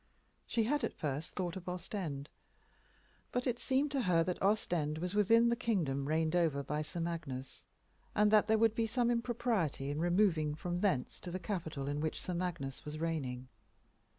She had at first thought of Ostend; but it had seemed to her that Ostend was within the kingdom reigned over by Sir Magnus and that there would be some impropriety in removing from thence to the capital in which Sir Magnus was reigning.